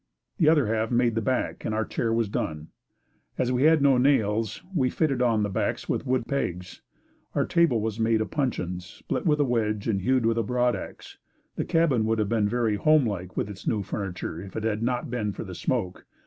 The other half made the back and our chair was done. As we had no nails, we fitted on the backs with wood pegs. Our table was made of puncheons split with a wedge and hewed with a broadax. The cabin would have been very homelike with its new furniture if it had not been for the smoke.